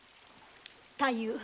太夫。